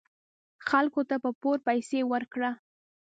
خلکو ته په پور پیسې ورکړه .